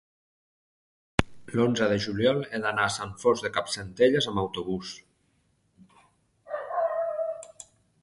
l'onze de juliol he d'anar a Sant Fost de Campsentelles amb autobús.